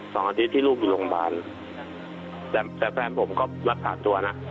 ๒สัปดาห์ที่ลูกอยู่โรงพยาบาลแต่แฟนผมก็รักษาตัวนะ